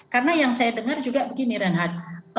karena yang saya dengar juga begini renhad